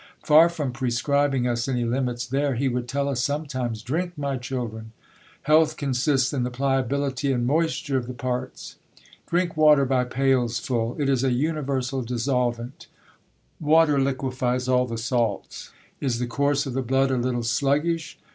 Far from prescribing us any limits there, he would tell us sometimes — Drink, my children ; health consists in the pliability and moisture of the parts. Drink water by pails full, it is a universal dissolvent ; water liquefies all the salts. Is the course of the blood a little sluggish